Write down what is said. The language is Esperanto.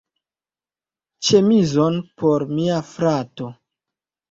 Ĉemizon por mia frato.